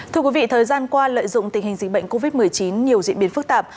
thưa quý vị thời gian qua lợi dụng tình hình dịch bệnh covid một mươi chín nhiều diễn biến phức tạp